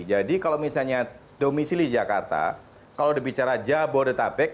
jadi kalau misalnya domisili jakarta kalau dibicara jabodetabek